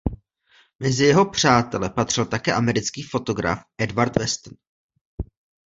Mezi jeho přátele patřil také americký fotograf Edward Weston.